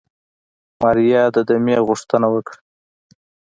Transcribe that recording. ماريا د دمې غوښتنه وکړه.